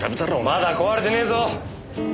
まだ壊れてねえぞ！